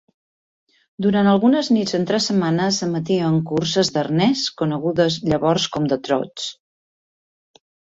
Durant algunes nits entre setmana s'emetien curses d'arnès, conegudes llavors com "the trots".